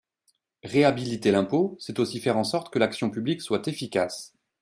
Réhabiliter l’impôt, c’est aussi faire en sorte que l’action publique soit efficace.